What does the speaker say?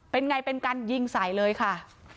เป็นไงเป็นการยิงใส่เลยค่ะ